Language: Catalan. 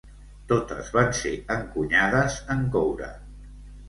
Totes van ser encunyades en coure.